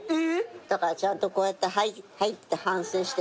だからちゃんとこうやってはいはいって反省して。